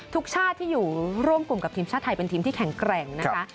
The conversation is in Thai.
ทุกชาติที่อยู่ร่วมกลุ่มกับทีมชาติไทยเป็นทีมที่แข็งแกร่งนะคะ